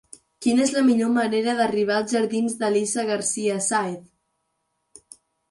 Quina és la millor manera d'arribar als jardins d'Elisa García Sáez?